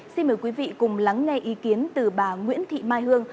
xin mời quý vị cùng lắng nghe ý kiến từ bà nguyễn thị mai hương